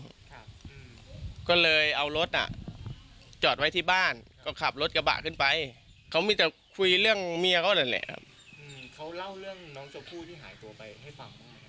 ครับอืมก็เลยเอารถอ่ะจอดไว้ที่บ้านก็ขับรถกระบะขึ้นไปเขามีแต่คุยเรื่องเมียเขานั่นแหละอืมเขาเล่าเรื่องน้องชมพู่ที่หายตัวไปให้ฟังบ้างไหม